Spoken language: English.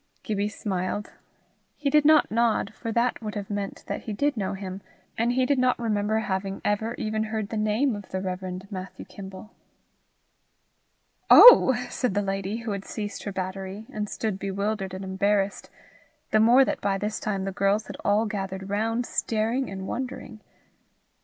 Gibbie smiled. He did not nod, for that would have meant that he did know him, and he did not remember having ever even heard the name of the Rev. Matthew Kimble. "Oh!" said the lady, who had ceased her battery, and stood bewildered and embarrassed the more that by this time the girls had all gathered round, staring and wondering.